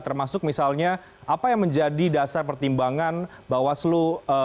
termasuk misalnya apa yang menjadi dasar pertimbangan bawaslu